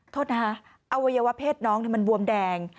โทษนะคะอวัยวะเพศน้องมันบวมแดง